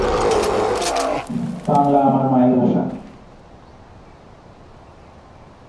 এটি ভগবান শিবের অন্যতম প্রিয় জায়গা।